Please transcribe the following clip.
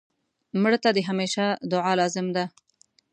مړه ته د همېشه دعا لازم ده